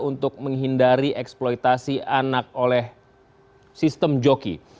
untuk menghindari eksploitasi anak oleh sistem joki